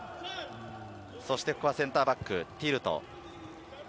ここはセンターバック、ティルト。